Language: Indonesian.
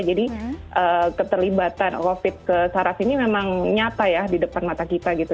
jadi keterlibatan covid ke saraf ini memang nyata ya di depan mata kita gitu